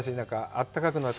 あったかくなった。